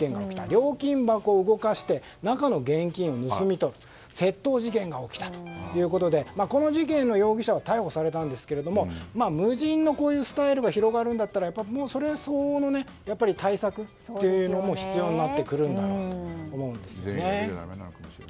料金箱を動かして中の現金を盗み取るという窃盗事件が起きたということでこの事件の容疑者は逮捕されたんですが無人のスタイルが広がるんだったらそれ相応の対策が必要だと思うんですね。